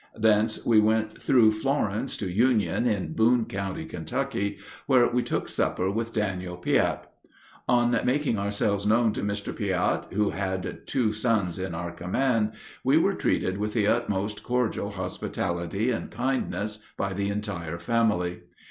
Thence we went through Florence to Union, in Boone County, Kentucky, where we took supper with Daniel Piatt. On making ourselves known to Mr. Piatt, who had two sons in our command, we were treated with the most cordial hospitality and kindness by the entire family.